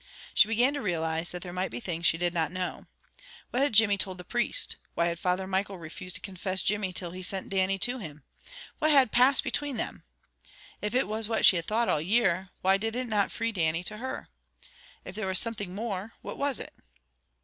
She began to realize that there might be things she did not know. What had Jimmy told the priest? Why had Father Michael refused to confess Jimmy until he sent Dannie to him? What had passed between them? If it was what she had thought all year, why did it not free Dannie to her? If there was something more, what was it?